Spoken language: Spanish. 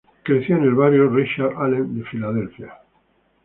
El creció en el barrio Richard Allen de Filadelfia.